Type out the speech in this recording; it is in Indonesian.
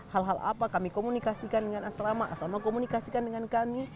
hal hal apa kami komunikasikan dengan asrama asrama komunikasikan dengan kami